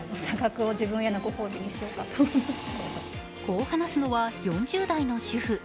こう話すのは４０代の主婦。